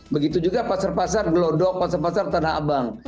begitu juga pasar pasar gelodok pasar pasar tanah abang